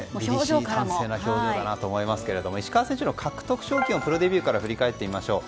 凛々しい表情だと思いますが石川選手の獲得賞金をプロデビューから振り返ってみましょう。